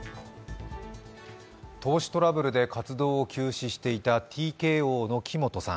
投資トラブルで活動を休止していたＴＫＯの木本さん。